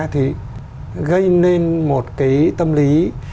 thì gây nên một cái tâm lý